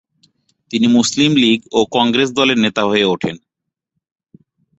তিনি মুসলিম লীগ ও কংগ্রেস দলের নেতা হয়ে উঠেন।